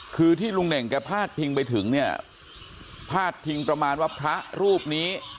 คือที่ลุงเน่งแกพาดพิงไปถึงเนี่ยพาดพิงประมาณว่าพระรูปนี้